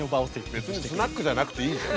別にスナックじゃなくていいし。